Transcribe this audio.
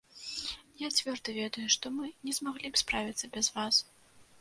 Я цвёрда ведаю, што мы не змаглі б справіцца без вас.